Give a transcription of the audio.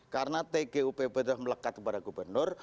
karena tgpp sudah melekat kepada gubernur